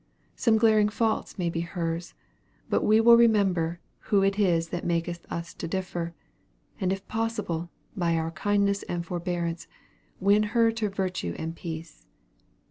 Some glaring faults may be hers; but we will remember "who it is that maketh us to differ," and if possible, by our kindness and forbearance, win her to virtue and peace.